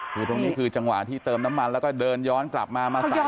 คือตรงนี้คือจังหวะที่เติมน้ำมันแล้วก็เดินย้อนกลับมามาใส่